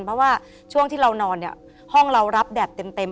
เพราะว่าช่วงที่เรานอนเนี่ยห้องเรารับแบบเต็ม